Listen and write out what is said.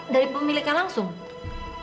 dari pemiliknya langsung